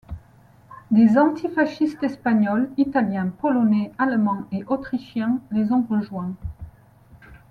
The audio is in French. Des antifascistes espagnols, italiens, polonais, allemands et autrichiens les ont rejoints.